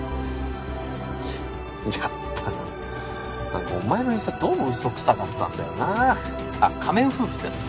やっぱな何かお前のインスタどうも嘘くさかったんだよなあっ仮面夫婦ってやつか？